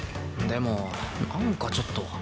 でもなんかちょっと。